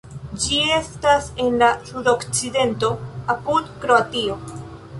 Ĝi estas en la sudokcidento apud Kroatio.